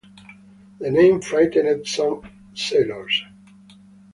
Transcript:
The name frightened some sailors.